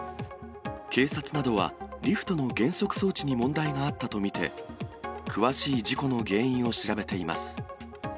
警察などは、リフトの減速装置に問題があったと見て、詳しい事故の原因を調べています。